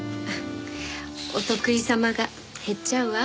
お得意様が減っちゃうわ。